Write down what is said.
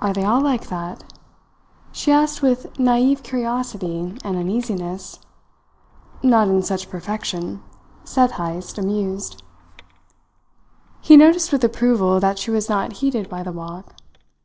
"Are they all like that?" she asked with naive curiosity and uneasiness. "Not in such perfection," said Heyst, amused. He noticed with approval that she was not heated by the walk.